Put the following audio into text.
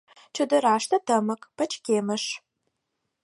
Чодыраште тымык, пычкемыш.